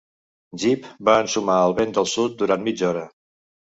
Jip va ensumar el vent del sud durant mitja hora.